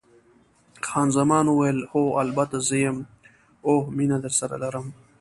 خان زمان وویل: هو، البته زه یم، اوه، مینه درسره لرم.